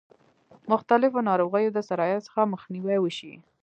مختلفو ناروغیو د سرایت څخه مخنیوی وشي.